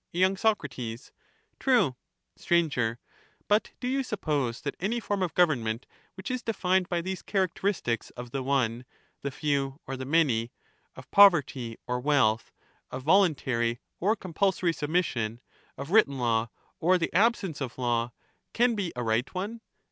y. Soc, True. Str, But do you suppose that any form of government which is defined by these characteristics of the one, the few, or the many, of poverty or wealth, of voluntary or compulsory submission, of written law or the absence of law, can be a right one